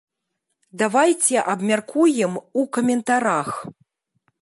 Давайце абмяркуем у каментарах!